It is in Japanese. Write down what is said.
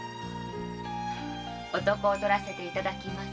お床をとらせていただきます。